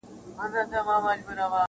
دبدبه د حُسن وه چي وحسي رام سو,